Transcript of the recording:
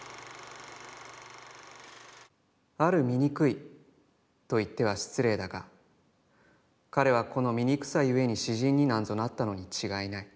「ある醜い――と言っては失礼だが、彼はこの醜さゆえに詩人になんぞなったのにちがいない。